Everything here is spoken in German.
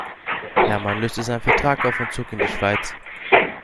Herrmann löste seinen Vertrag auf und zog in die Schweiz.